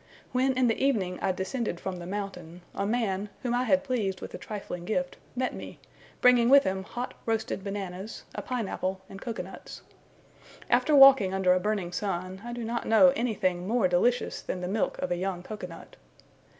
When in the evening I descended from the mountain, a man, whom I had pleased with a trifling gift, met me, bringing with him hot roasted bananas, a pine apple, and cocoa nuts. After walking under a burning sun, I do not know anything more delicious than the milk of a young cocoa nut.